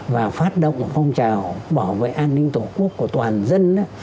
và phát động phong trào bảo vệ an ninh tổ quốc của toàn dân